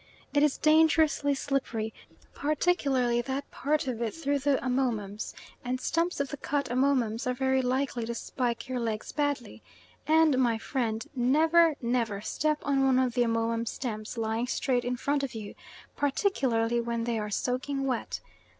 It is dangerously slippery, particularly that part of it through the amomums, and stumps of the cut amomums are very likely to spike your legs badly and, my friend, never, never, step on one of the amomum stems lying straight in front of you, particularly when they are soaking wet.